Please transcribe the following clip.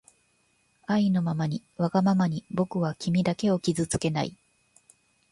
あいのままにわがままにぼくはきみだけをきずつけない